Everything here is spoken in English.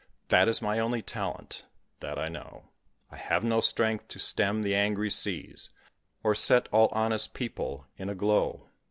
That is my only talent, that I know. I have no strength to stem the angry seas, Or set all honest people in a glow.